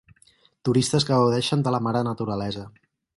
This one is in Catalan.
Turistes que gaudeixen de la mare naturalesa.